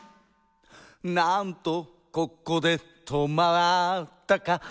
「なんとここで止まったか」